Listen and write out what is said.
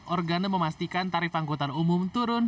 organa memastikan tarif angkutan umum turun